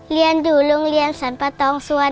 เรียนอยู่โรงเรียนสรรปะตองสวน